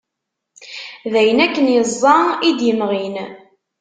D ayen akken iẓẓa i d-imɣin.